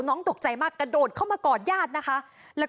มันเห็นใจหรือเปล่ามันจะฆาบมันจะฆาบ